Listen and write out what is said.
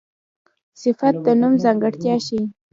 صفت د نوم ځانګړتیا ښيي.